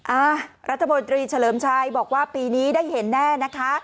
อ่ารัฐมนตรีเฉลิมชัยบอกว่าปีนี้ได้เห็นแน่นะคะ